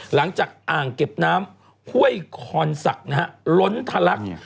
หลังจากอ่างเก็บน้ำห้วยคอนซักลล้นทะลัก